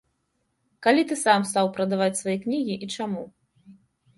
Калі ты сам стаў прадаваць свае кнігі і чаму?